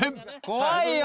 怖いよ。